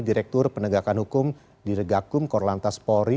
direktur penegakan hukum diregakum korlantas polri